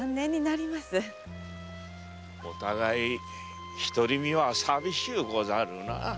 お互い独り身は寂しゅうござるな。